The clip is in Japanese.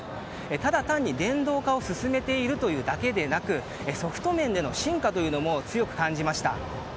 ただ単に、電動化を進めているというだけでなくソフト面での進化も強く感じました。